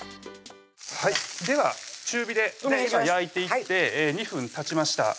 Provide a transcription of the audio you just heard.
はいでは中火で焼いていって２分たちました